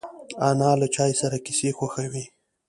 انا له چای سره کیسې خوښوي